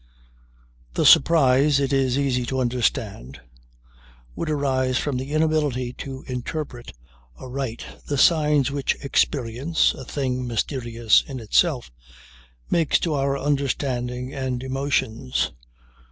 The surprise, it is easy to understand, would arise from the inability to interpret aright the signs which experience (a thing mysterious in itself) makes to our understanding and emotions.